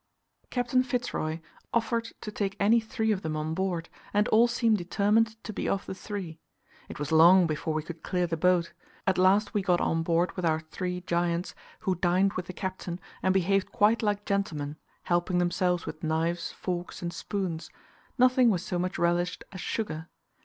Captain Fitz Roy offered to take any three of them on board, and all seemed determined to be of the three. It was long before we could clear the boat; at last we got on board with our three giants, who dined with the Captain, and behaved quite like gentlemen, helping themselves with knives, forks, and spoons: nothing was so much relished as sugar.